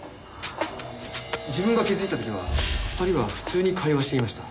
自分が気づいた時は２人は普通に会話していました。